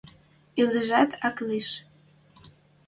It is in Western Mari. Ӹлӓшӹжӓт ак лиш.